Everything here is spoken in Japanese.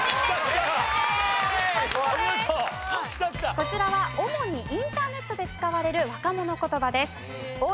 こちらは主にインターネットで使われる若者言葉です。